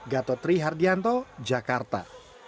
gatotri hardianto jakarta